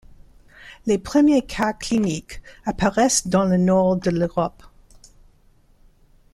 Les premiers cas cliniques apparaissent dans le nord de l'Europe.